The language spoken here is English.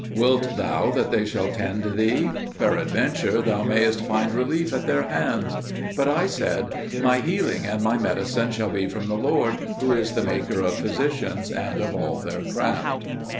Wilt thou that they shall tend thee? Peradventure thou mayest find relief at their hands." But I said, "My healing and my medicine shall be from the Lord, who is the Maker of physicians and of all their craft."